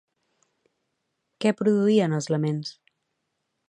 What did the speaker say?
Què produïen els laments?